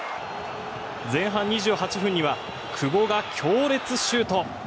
前半２８分には久保が強烈シュート。